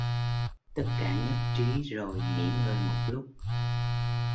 Tất cả nhất trí rồi nghỉ ngơi một lúc